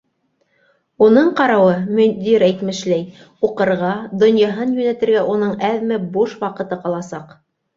Уның ҡарауы, мөдир әйтмешләй, уҡырға, донъяһын йүнәтергә уның әҙме буш ваҡыты ҡаласаҡ!